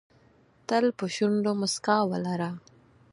تل په شونډو موسکا ولره .